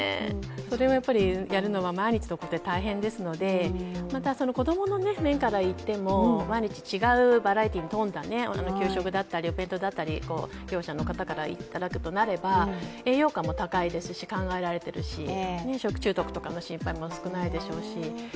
それをやるのは毎日は大変なので子供の面からいっても毎日違うバラエティに富んだ給食だったりお弁当だったり業者の方からいただくとなれば栄養価も高いですし、考えられているし食中毒とかの心配も少ないでしょうし。